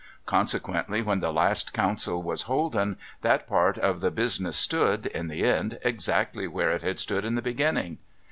Consequently, when the last council was holden, that part of the business stood, in the end, exactly where it had stood in the beginning.